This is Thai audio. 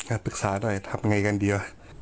ปรึกษาหน่อยทำไงกันดี